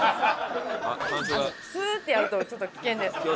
スーッてやるとちょっと危険です。